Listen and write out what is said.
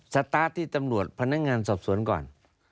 สตาร์ทที่ตำรวจพนักงานสอบสวนก่อน